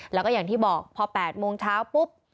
แล้วก็อย่างที่บอกพอ๘โมงเช้าปุ๊บ